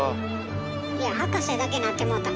いや葉加瀬だけなってもうた。